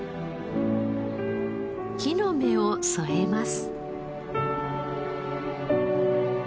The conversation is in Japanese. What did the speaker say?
木の芽を添えます。